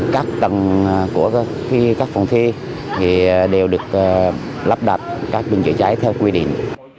các tầng của các phòng thi đều được lắp đặt các bình chữa cháy theo quy định